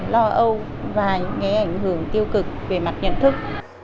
lo âu và những ảnh hưởng tiêu cực về mặt nhận thức